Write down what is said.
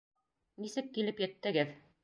Нисек килеп еттегеҙ?